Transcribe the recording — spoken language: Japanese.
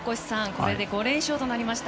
これで５連勝となりました。